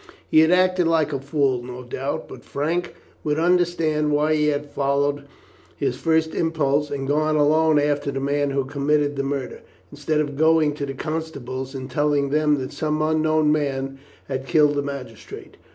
He had acted like a fool, no doubt, but Frank would understand why he had followed his first impulse and gone alone after the man who committed the murder, instead of going to the constables and telling them that some unknown man had killed the magistrate.